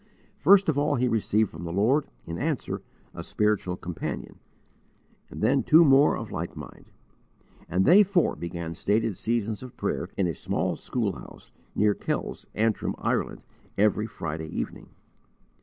First of all he received from the Lord, in answer, a spiritual companion, and then two more of like mind; and they four began stated seasons of prayer in a small schoolhouse near Kells, Antrim, Ireland, every Friday evening.